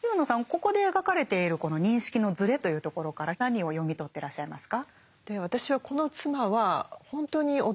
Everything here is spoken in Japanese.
ここで描かれているこの認識のずれというところから何を読み取ってらっしゃいますか？